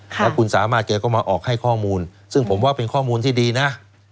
แล้วคุณสามารถแกก็มาออกให้ข้อมูลซึ่งผมว่าเป็นข้อมูลที่ดีนะ